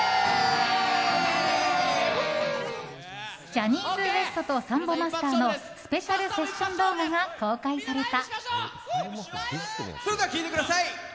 ジャニーズＷＥＳＴとサンボマスターのスペシャルセッション動画が公開された。